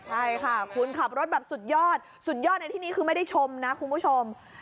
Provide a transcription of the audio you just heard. ใช่ค่ะคุณขับรถแบบสุดยอดสุดยอดในที่นี้คือไม่ได้ชมนะคุณผู้ชม